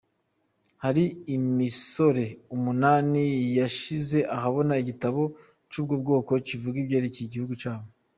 Hari imisore umunani yashize ahabona igitabo c'ubwo bwoko kivuga ivyerekeye igihugu cabo.